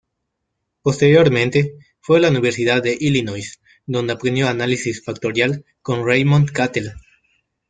Posteriormente, fue a la Universidad de Illinois, donde aprendió análisis factorial con Raymond Cattell.